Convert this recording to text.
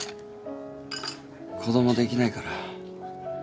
子供できないから。